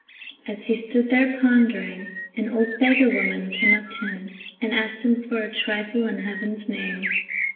As he stood there pondering, an old beggar woman came up to him and asked him for a trifle in heaven's name.